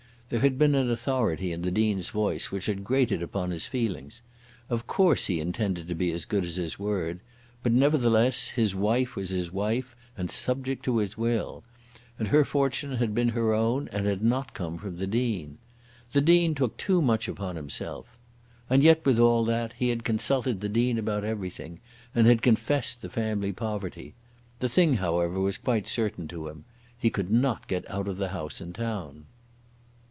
There had been an authority in the Dean's voice which had grated upon his feelings; of course he intended to be as good as his word; but, nevertheless, his wife was his wife and subject to his will; and her fortune had been her own and had not come from the Dean. The Dean took too much upon himself. And yet, with all that, he had consulted the Dean about everything, and had confessed the family poverty. The thing, however, was quite certain to him; he could not get out of the house in town.